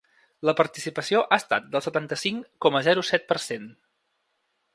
La participació ha estat del setanta-cinc coma zero set per cent.